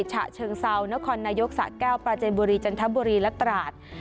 ฉะเชิงเซานครนายกสะแก้วปราเจนบุรีจันทบุรีและตราด